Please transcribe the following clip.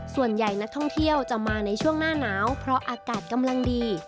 ส่วนใหญ่นักท่องเที่ยวจะมาในช่วงหน้าหนาวเพราะอากาศกำลังดี